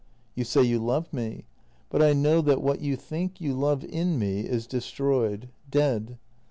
You say you love me, but I know that what you think you love in me is destroyed — dead.